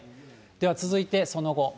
では続いてその後。